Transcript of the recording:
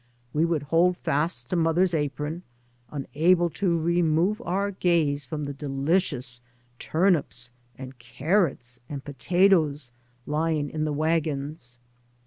We would hold fast to mother's apron, unable to remove our gaze from the delicious turnips and carrots and potatoes lying in the wagons.